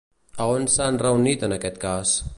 A on s'han reunit en aquest cas?